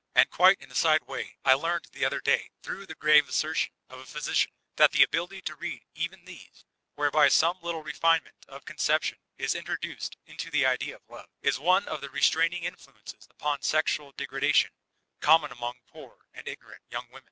And quite in a side way I learned the other day through the grave assertion of a physician that the ability to read even these, whereby some little refinement of conception is introduced into the idea of love, is one of the restraining influences upon sexual degradation common among poor and ignorant young women.